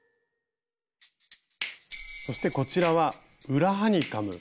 そしてこちらは「裏ハニカム」。